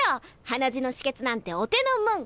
鼻血の止血なんてお手のもん。